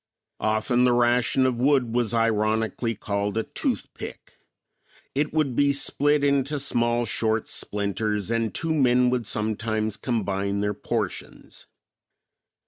Often the ration of wood was ironically called a "toothpick." It would be split into small short splinters and two men would sometimes combine their portions.